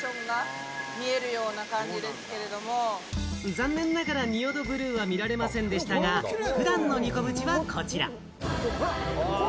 残念ながら仁淀ブルーは見られませんでしたが、普段の、にこ淵は、こちら！